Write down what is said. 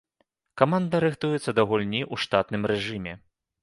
Каманда рыхтуецца да гульні ў штатным рэжыме.